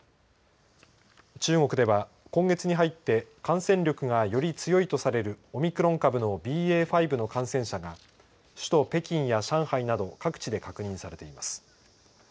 中国では、今月に入って感染力がより強いとされるオミクロン株のＢＡ．５の感染者が首都・北京や上海など各地で確認されています。